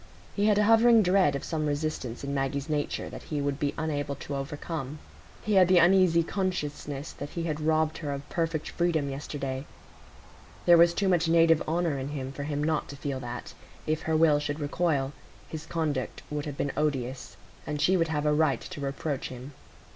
He had a hovering dread of some resistance in Maggie's nature that he would be unable to overcome. He had the uneasy consciousness that he had robbed her of perfect freedom yesterday; there was too much native honour in him, for him not to feel that, if her will should recoil, his conduct would have been odious, and she would have a right to reproach him.